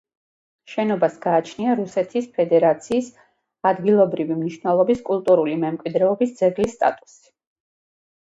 შენობას გააჩნია რუსეთის ფედერაციის ადგილობრივი მნიშვნელობის კულტურული მემკვიდრეობის ძეგლის სტატუსი.